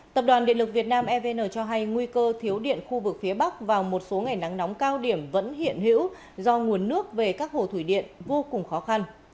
tập đoàn điện lực việt nam evn cho hay nguy cơ thiếu điện khu vực phía bắc vào một số ngày nắng nóng cao điểm vẫn hiện hữu do nguồn nước về các hồ thủy điện vô cùng khó khăn